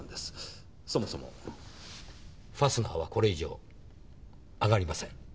そもそもファスナーはこれ以上上がりません。